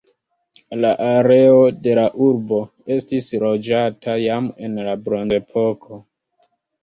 La areo de la urbo estis loĝata jam en la bronzepoko.